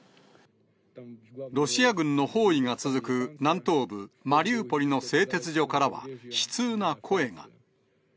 ロシア軍の包囲が続く、南東部マリウポリの製鉄所からは、悲痛な声が。